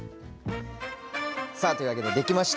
さあというわけで出来ました。